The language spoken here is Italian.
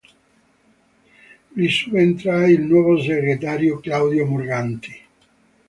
Gli subentra il nuovo segretario Claudio Morganti.